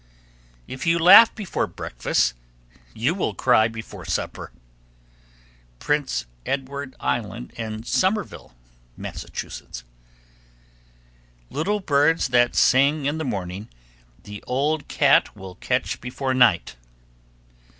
If you laugh before breakfast, you will cry before supper. Prince Edward Island and Somerville, Mass. 1318. Little birds that sing in the morning The old cat will catch before night.